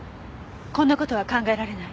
こんな事は考えられない？